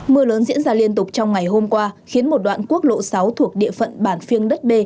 mưa lớn diễn ra liên tục trong ngày hôm qua khiến một đoạn quốc lộ sáu thuộc địa phận bản phiêng đất b